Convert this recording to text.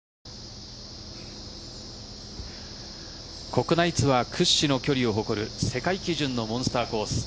国内ツアー屈指の距離を誇る世界基準のモンスターコース。